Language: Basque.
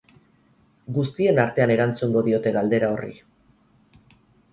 Guztien artean erantzungo diote galdera horri.